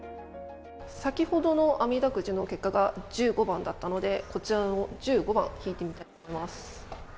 先ほどのあみだくじの結果が１５番だったのでこちらの１５番を引いてみたいと思います。